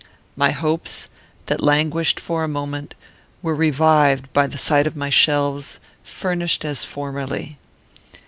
"My hopes, that languished for a moment, were revived by the sight of my shelves, furnished as formerly.